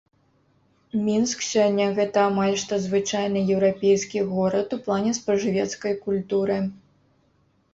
Мінск сёння гэта амаль што звычайны еўрапейскі горад у плане спажывецкай культуры.